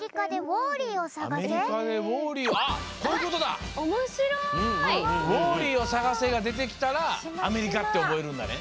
ウォーリーをさがせがでてきたらアメリカって覚えるんだね。